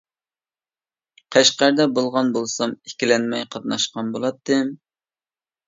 قەشقەردە بولغان بولسام ئىككىلەنمەي قاتناشقان بۇلاتتىم.